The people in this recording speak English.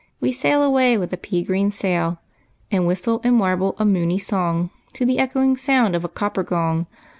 We sail away, with a pea gi'een sail. And whistle and warble a moony song To the eclioing sound of a coppery gong.